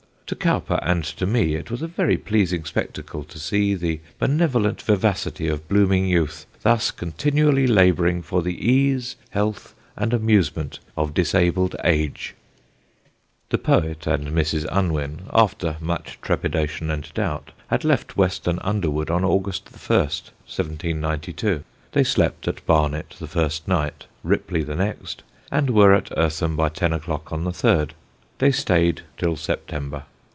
To Cowper and to me it was a very pleasing spectacle to see the benevolent vivacity of blooming youth thus continually labouring for the ease, health, and amusement of disabled age." [Sidenote: COWPER IN SUSSEX] The poet and Mrs. Unwin, after much trepidation and doubt, had left Weston Underwood on August 1, 1792; they slept at Barnet the first night, Ripley the next, and were at Eartham by ten o'clock on the third. They stayed till September.